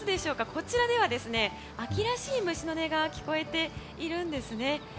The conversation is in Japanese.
こちらでは秋らしい虫の音が聞こえているんですね。